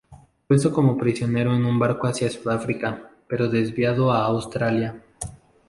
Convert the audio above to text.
Puesto como prisionero en un barco hacia Sudáfrica, pero desviado a Australia.